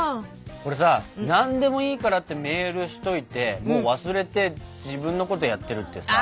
これさ「何でもいいから」ってメールしといてもう忘れて自分のことやってるってさ。